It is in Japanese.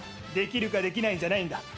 できるかできないんじゃないんだ。